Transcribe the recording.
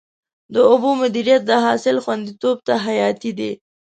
د اوبو مدیریت د حاصل خوندیتوب ته حیاتي دی.